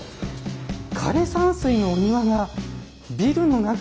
枯れ山水のお庭がビルの中に！